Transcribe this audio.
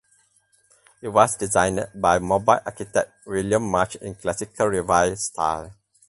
It was designed by Mobile architect William March in Classical Revival style.